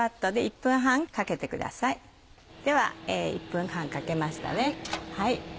では１分半かけましたね。